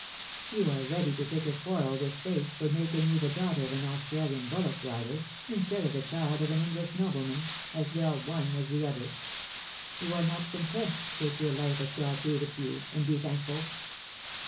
You are ready to pick a quarrel with Fate for making you the daughter of an Australian bullock driver, instead of the child of an English nobleman — as well one as the other ! You are not content to take your life as God gave it you, and be thankful.